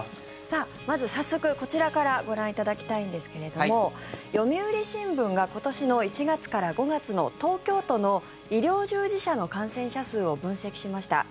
まず早速、こちらからご覧いただきたいんですけれども読売新聞が今年の１月から５月の東京都の医療従事者の感染者数を分析しました。